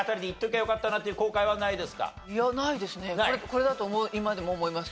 これだと今でも思います。